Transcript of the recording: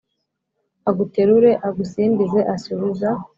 Aguterure agusimbize asubiza